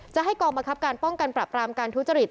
จะให้กองบังคับการป้องกันปรับรามการทุจริต